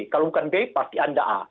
kalau bukan b pasti anda a